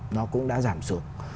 nó cũng đã giảm xuống